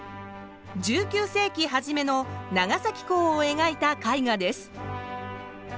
１９世紀初めの長崎港をえがいた絵画です。